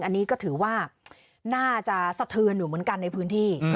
อันนี้ก็ถือว่าน่าจะสะเทือนอยู่เหมือนกันในพื้นที่